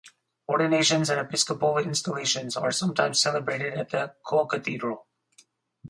Ordinations and episcopal installations are sometimes celebrated at the co-cathedral.